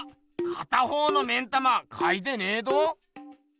片方の目ん玉かいてねえど！